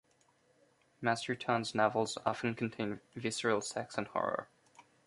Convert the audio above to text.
Masterton's novels often contain visceral sex and horror.